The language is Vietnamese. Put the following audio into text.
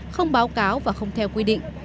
không báo cáo và không theo quy định